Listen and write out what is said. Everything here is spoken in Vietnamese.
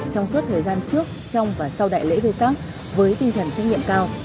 trong suốt thời gian trước trong và sau đại lễ v sac với tinh thần trách nhiệm cao